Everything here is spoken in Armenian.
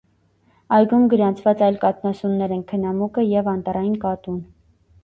Այգում գրանցված այլ կաթնասուներ են քնամուկը և անտառային կատուն։